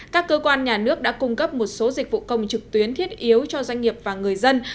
các cơ quan nhà nước đã cung cấp một số dịch vụ công trực tuyến thiết yếu cho doanh nghiệp và người dân